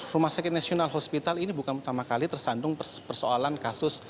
rumah sakit nasional hospital ini bukan pertama kali tersandung persoalan kasus